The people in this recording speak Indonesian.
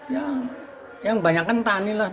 ya yang banyak kan tani lah